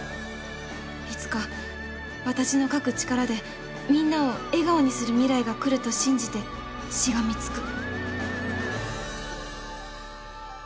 「いつか私の書く力でみんなを笑顔にする未来が来ると信じてしがみつく」